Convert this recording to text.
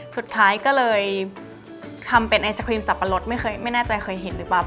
สุดท้ายก็เลยทำเป็นไอศครีมสับปะรดไม่เคยไม่แน่ใจเคยเห็นหรือเปล่า